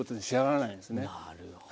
なるほど。